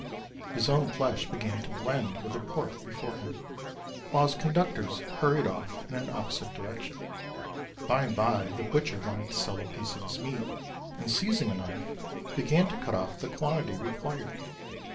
his own flesh began to blend with the pork before him, while his conductors hurried off in an opposite direction. By and by the butcher wanted to sell a piece of his meat; and seizing a knife, began to cut off the quantity required.